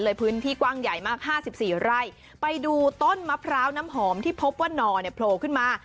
ในพื้นที่กว้างใหญ่มาก๕๔ไร่ไปดูต้นมะพร้าวน้ำหอมที่พบว่านอโผล่ขึ้นมา